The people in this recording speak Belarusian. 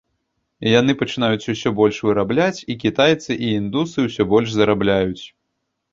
Яны пачынаюць усё больш вырабляць, і кітайцы і індусы ўсё больш зарабляюць.